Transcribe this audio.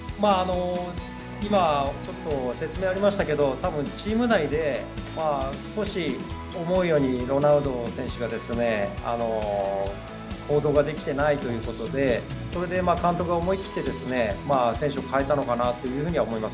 今、説明ありましたけど、チーム内で少し思うようにロナウド選手が行動ができてないということでそれで監督が思い切って選手をかえたのかなというふうには思います。